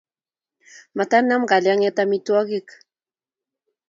Matanam kalyanget amitwogikguk